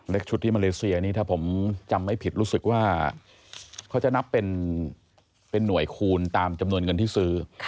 ชุดที่มาเลเซียนี่ถ้าผมจำไม่ผิดรู้สึกว่าเขาจะนับเป็นหน่วยคูณตามจำนวนเงินที่ซื้อ